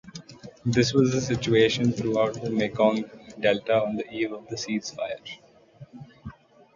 This was the situation throughout the Mekong Delta on the eve of the ceasefire.